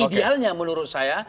idealnya menurut saya